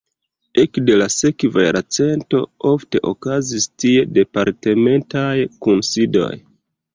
Ekde la sekva jarcento ofte okazis tie departementaj kunsidoj.